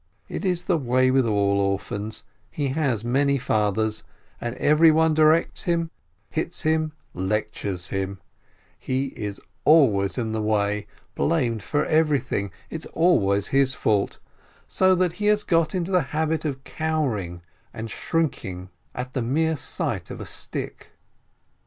As is the way with all orphans, he has many fathers, and every one directs him, hits him, lectures him; he is always in the way, blamed for everything, it's always his fault, so that he has got into the habit of cowering and shrinking EAETH OF PALESTINE 35 at the mere sight of a stick.